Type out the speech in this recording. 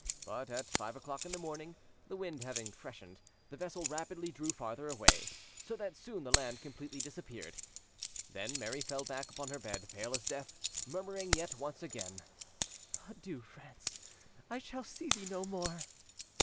But at five o'clock in the morning, the wind having freshened, the vessel rapidly drew farther away, so that soon the land completely disappeared. Then Mary fell back upon her bed, pale as death, murmuring yet once again—"Adieu, France! I shall see thee no more."